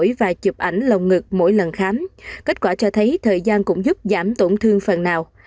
đổi tuổi và chụp ảnh lòng ngực mỗi lần khám kết quả cho thấy thời gian cũng giúp giảm tổn thương phần nào